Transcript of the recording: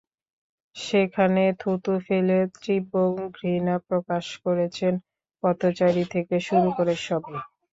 সেখানে থুতু ফেলে তীব্র ঘৃণা প্রকাশ করেছেন পথচারী থেকে শুরু করে সবাই।